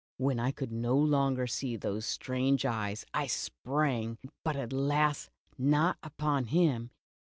When I could no longer see those strange eyes, I sprang, but alas, not upon him!